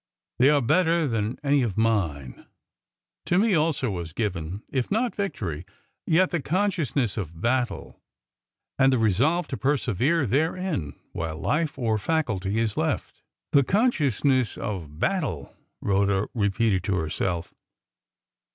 "They are better than any of mine. 'To me also was given, if not victory, yet the consciousness of battle, and the resolve to persevere therein while life or faculty is left.'" "The consciousness of battle," Rhoda repeated to herself.